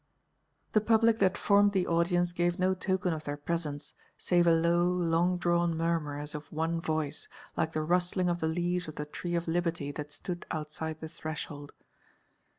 The public that formed the audience gave no token of their presence save a low, long drawn murmur as of one voice, like the rustling of the leaves of the tree of Liberty that stood outside the threshold.